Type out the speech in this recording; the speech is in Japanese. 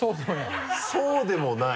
そうでもない。